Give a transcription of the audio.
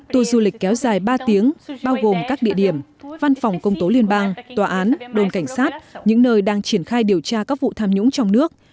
tù du lịch kéo dài ba tiếng bao gồm các địa điểm văn phòng công tố liên bang tòa án đồn cảnh sát những nơi đang triển khai điều tra các vụ tham nhũng trong nước